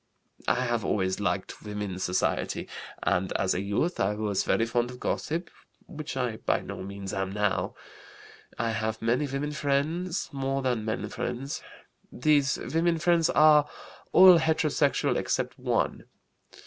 "I have always liked women's society and, as a youth, I was very fond of gossip, which I by no means am now. I have many women friends, more than men friends. These women friends are all heterosexual except one.